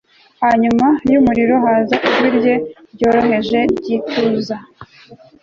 Hanyuma yumuriro haza ijwi ryoroheje ryituza